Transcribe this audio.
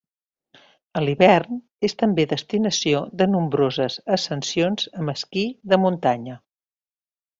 A l'hivern, és també destinació de nombroses ascensions amb esquí de muntanya.